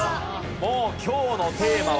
もう今日のテーマは駅。